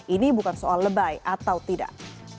ini bukan soal lebay atau tidak